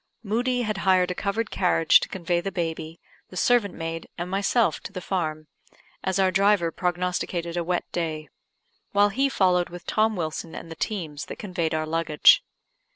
Moodie had hired a covered carriage to convey the baby, the servant maid, and myself to the farm, as our driver prognosticated a wet day; while he followed with Tom Wilson and the teams that conveyed our luggage.